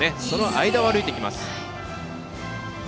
その間を歩いてきます。